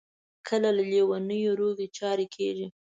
کله له لېونیو روغې چارې کیږي.